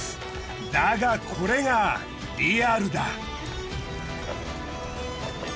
だがこれがリアルだ。